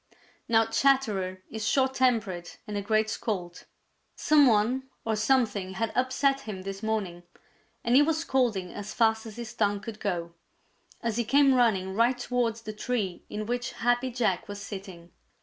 Now Chatterer is short tempered and a great scold. Some one or something had upset him this morning, and he was scolding as fast as his tongue could go, as he came running right towards the tree in which Happy Jack was sitting.